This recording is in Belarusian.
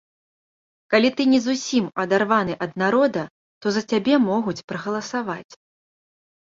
Калі ты не зусім адарваны ад народа, то за цябе могуць прагаласаваць.